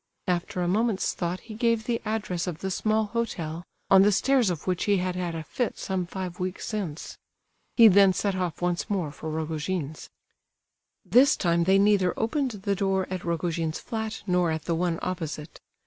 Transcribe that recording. After a moment's thought he gave the address of the small hotel, on the stairs of which he had had a fit some five weeks since. He then set off once more for Rogojin's. This time they neither opened the door at Rogojin's flat nor at the one opposite.